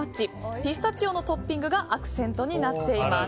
ピスタチオのトッピングがアクセントになっています。